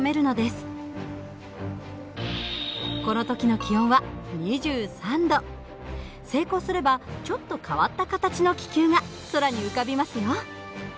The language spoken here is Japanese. この時の気温は成功すればちょっと変わった形の気球が空に浮かびますよ。